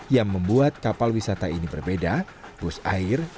yang membuat kapal wisata ini berbeda bus air